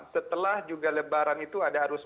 setelah juga lebaran itu ada arus